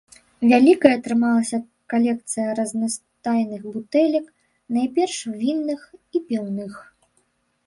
Вялікай атрымалася калекцыя разнастайных бутэлек, найперш вінных і піўных.